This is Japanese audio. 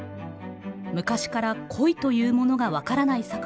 昔から恋というものが分からない